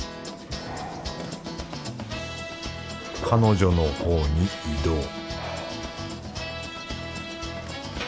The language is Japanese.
彼女のほうに移動